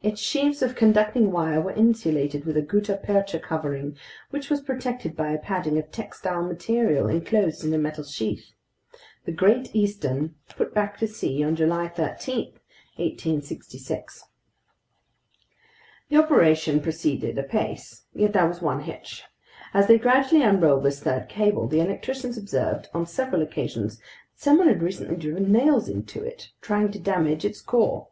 Its sheaves of conducting wire were insulated within a gutta percha covering, which was protected by a padding of textile material enclosed in a metal sheath. The Great Eastern put back to sea on July 13, 1866. The operation proceeded apace. Yet there was one hitch. As they gradually unrolled this third cable, the electricians observed on several occasions that someone had recently driven nails into it, trying to damage its core.